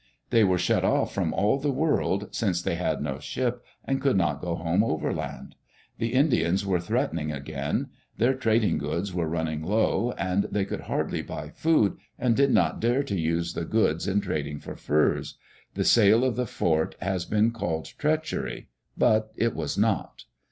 They were shut off from all the world, since they had no ship and could not go home overland. The Indians were threatening again; their trading goods were running low, and they could hardly buy food, and did not dare to use the goods in trading for furs. The sale of the fort has been called treachery, but it was not.